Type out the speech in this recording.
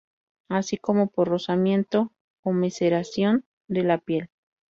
Así como por rozamiento o maceración de la piel.